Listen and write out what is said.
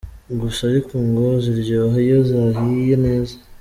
Gusa ariko ngo ziryoha iyo zahiye neza.